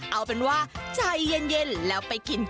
เอาเป็นว่าใจเย็นแล้วไปกินกุ้งหน่อย